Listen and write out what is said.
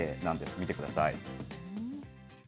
見てください。